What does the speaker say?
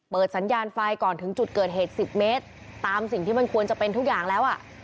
สัญญาณไฟก่อนถึงจุดเกิดเหตุ๑๐เมตรตามสิ่งที่มันควรจะเป็นทุกอย่างแล้วอ่ะ